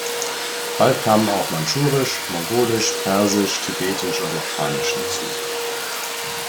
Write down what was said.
Bald kamen auch Mandschurisch, Mongolisch, Persisch, Tibetisch und Japanisch hinzu.